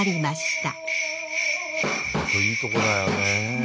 本当いいとこだよね。